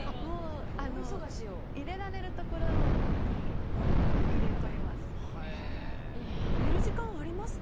入れられるところに入れ込みます。